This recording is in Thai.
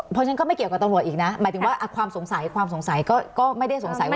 เพราะฉะนั้นก็ไม่เกี่ยวกับตำรวจอีกนะหมายถึงว่าความสงสัยความสงสัยก็ไม่ได้สงสัยว่า